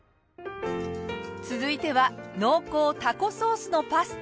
続いては濃厚タコソースのパスタ。